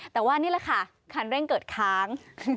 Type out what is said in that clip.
แต่ว่านี่แหละค่ะคันเร่งเกิดค้าง